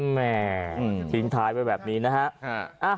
แหมจริงท้ายไปแบบนี้นะฮะ